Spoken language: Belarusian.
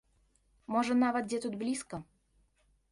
Можа нават дзе тут блізка.